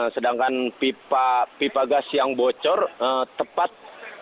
sedangkan pipa gas yang bocor tepat berada di pancoran